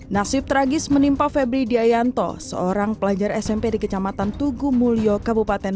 nasib tragis menimpa febri diayanto seorang pelajar smp di kecamatan tugu mulyo kabupaten